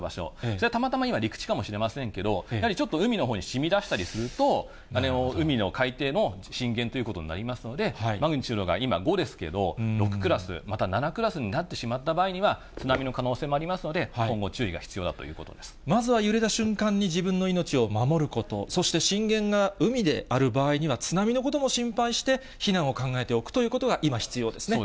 それがたまたま今、陸地かもしれないですけれども、やはりちょっと海のほうにしみ出したりすると、海の海底の震源ということになりますので、マグニチュードが今、５ですけど、６クラス、また７クラスになってしまった場合には、津波の可能性もありますので、今後、注意が必要だということでまずは揺れた瞬間に自分の命を守ること、そして震源が海である場合には、津波のことも心配して避難を考えておくということが今必要ですね。